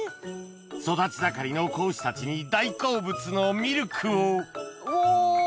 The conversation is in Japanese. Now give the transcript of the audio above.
育ち盛りの子牛たちに大好物のミルクをうぉ！